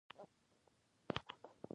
د «پيژو زمری» په سرلیک د موضوع پېل وشو.